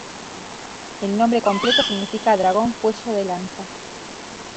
El nombre completo significa "dragón cuello de lanza".